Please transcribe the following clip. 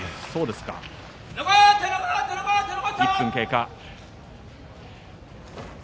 １分が経過。